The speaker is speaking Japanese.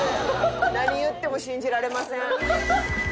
何言っても信じられません。